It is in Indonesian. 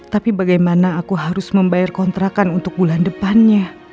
tapi bagaimana aku harus membayar kontrakan untuk bulan depannya